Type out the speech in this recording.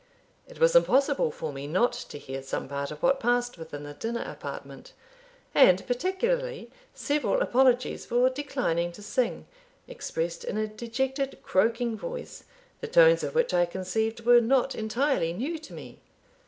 It was impossible for me not to hear some part of what passed within the dinner apartment, and particularly several apologies for declining to sing, expressed in a dejected croaking voice, the tones of which, I conceived, were not entirely new to me.